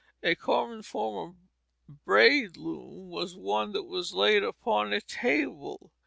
A common form of braid loom was one that was laid upon a table.